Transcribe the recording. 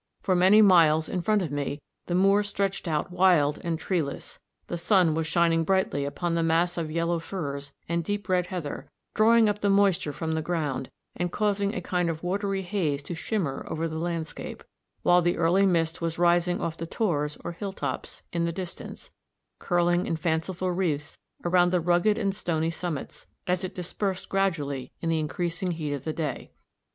For many miles in front of me the moor stretched out wild and treeless; the sun was shining brightly upon the mass of yellow furze and deep red heather, drawing up the moisture from the ground, and causing a kind of watery haze to shimmer over the landscape; while the early mist was rising off the tors, or hill tops, in the distance, curling in fanciful wreaths around the rugged and stony summits, as it dispersed gradually in the increasing heat of the day.